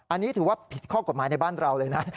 อันนี้ถือว่าผิดข้อกฎหมายในบ้านเราเลยนะ